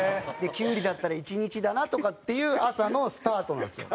キュウリだったら１日だなとかっていう朝のスタートなんですよ。